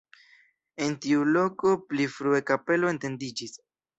En tiu loko pli frue kapelo etendiĝis.